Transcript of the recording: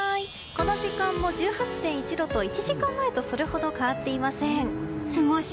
この時間も１８．１度と１時間前とそれほど変わっていません。